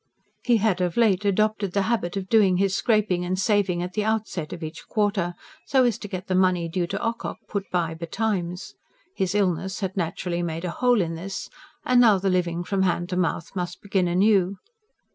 He had of late adopted the habit of doing his scraping and saving at the outset of each quarter, so as to get the money due to Ocock put by betimes. His illness had naturally made a hole in this; and now the living from hand to mouth must begin anew.